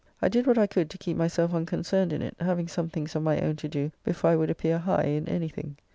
I did what I could to keep myself unconcerned in it, having some things of my own to do before I would appear high in anything.